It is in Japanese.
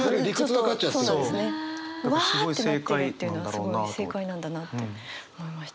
わあってなってるというのがすごい正解なんだなって思いました。